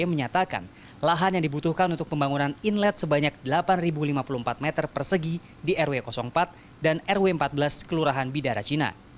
menyatakan lahan yang dibutuhkan untuk pembangunan inlet sebanyak delapan lima puluh empat meter persegi di rw empat dan rw empat belas kelurahan bidara cina